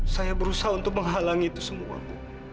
saya berusaha untuk menghalangi itu semua bu